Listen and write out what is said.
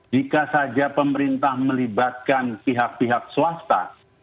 jika saja pemerintah melibatkan pihak pihak swasta